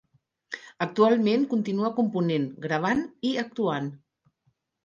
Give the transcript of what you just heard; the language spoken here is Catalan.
Actualment continua component, gravant i actuant.